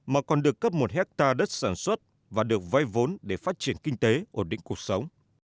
mà còn được cấp một hectare đất sản xuất và được vay vốn để phát triển kinh tế ổn định cuộc sống